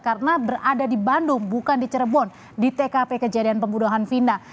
karena berada di bandung bukan di cirebon di tkp kejadian pembunuhan vina